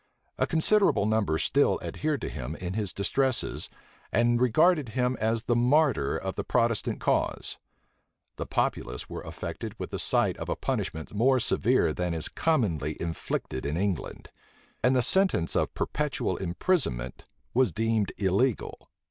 A considerable number still adhered to him in his distresses, and regarded him as the martyr of the Protestant cause. The populace were affected with the sight of a punishment more severe than is commonly inflicted in England. And the sentence of perpetual imprisonment was deemed illegal.